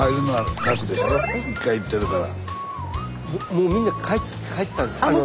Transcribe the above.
スタジオもうみんな帰ったんですよ